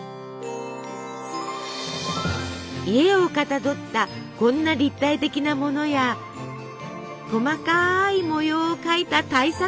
家をかたどったこんな立体的なものや細かい模様を描いた大作まで。